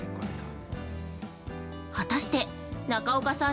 果たして、中岡さん